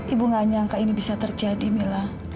ibu gak nyangka ini bisa terjadi mila